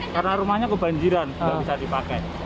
karena rumahnya kebanjiran tidak bisa dipakai